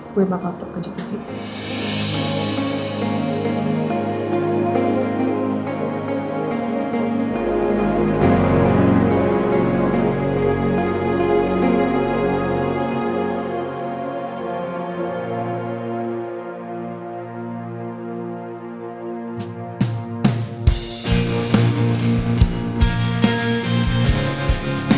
gue bakal ke jtb